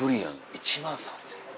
１万３０００円。